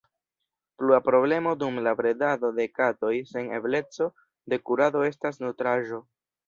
Plua problemo dum la bredado de katoj sen ebleco de kurado estas nutraĵo.